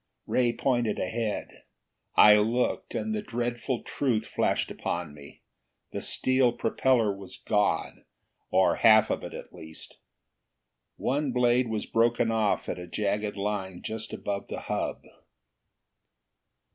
Ray pointed ahead. I looked, and the dreadful truth flashed upon me. The steel propeller was gone, or half of it at least. One blade was broken off at a jagged line just above the hub.